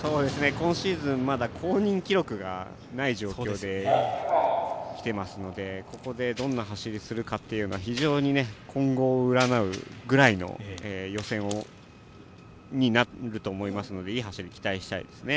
今シーズンまだ公認記録がない状況できていますので、ここでどんな走りをするのかは非常に今後を占うぐらいの予選になると思いますのでいい走りを期待したいですね。